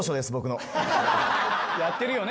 やってるよね。